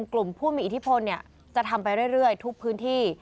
กลุ่มผู้มีอิทธิพลจะทำไปเรื่อยทุกพื้นที่